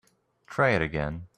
Try it again.